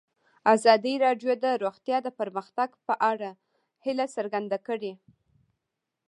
ازادي راډیو د روغتیا د پرمختګ په اړه هیله څرګنده کړې.